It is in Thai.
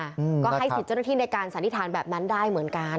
อืมก็ให้สิทธิ์เจ้าหน้าที่ในการสันนิษฐานแบบนั้นได้เหมือนกัน